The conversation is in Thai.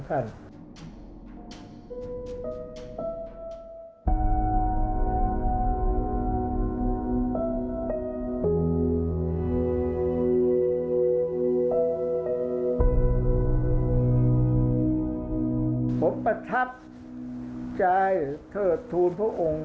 ภาคอีสานแห้งแรง